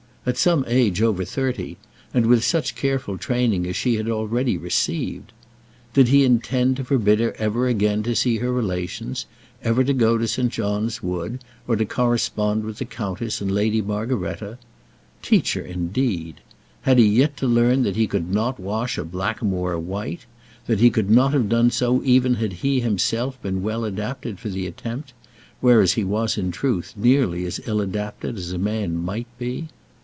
at some age over thirty; and with such careful training as she had already received! Did he intend to forbid her ever again to see her relations, ever to go to St. John's Wood, or to correspond with the countess and Lady Margaretta? Teach her, indeed! Had he yet to learn that he could not wash a blackamoor white? that he could not have done so even had he himself been well adapted for the attempt, whereas he was in truth nearly as ill adapted as a man might be?